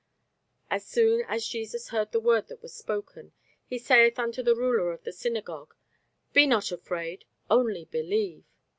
As soon as Jesus heard the word that was spoken, he saith unto the ruler of the synagogue, Be not afraid, only believe.